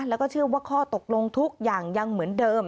แล้วก็เชื่อว่าข้อตกลงทุกอย่างยังเหมือนเดิม